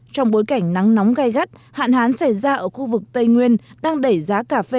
trong bối cảnh nắng nóng gai gắt hạn hán xảy ra ở khu vực tây nguyên đang đẩy giá cà phê